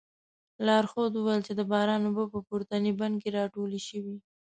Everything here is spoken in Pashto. لارښود وویل چې د باران اوبه په پورتني بند کې راټولې شوې.